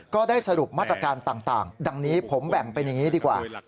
ก็ได้สรุปมาตรการต่างดังนี้ผมแบ่งเป็นอย่างนี้ดีกว่า